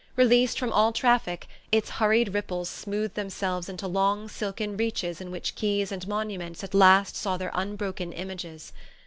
Released from all traffic, its hurried ripples smoothed themselves into long silken reaches in which quays and monuments at last saw their unbroken images.